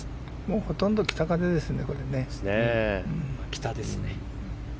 ほとんど北風ですね。